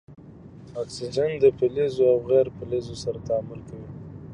اکسیجن له فلزونو او غیر فلزونو سره تعامل کوي.